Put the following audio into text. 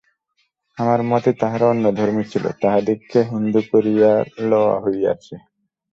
আমার মতে তাহারা অন্যধর্মী ছিল, তাহাদিগকে হিন্দু করিয়া লওয়া হইয়াছে।